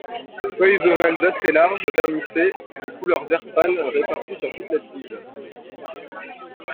Feuilles ovales assez larges, vernissées, de couleur vert pâle réparties sur toute la tige.